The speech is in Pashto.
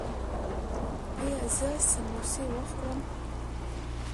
ایا زه سموسې وخورم؟